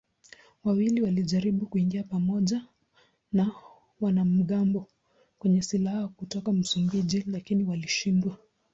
Wawili walijaribu kuingia pamoja na wanamgambo wenye silaha kutoka Msumbiji lakini walishindwa.